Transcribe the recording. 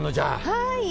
はい。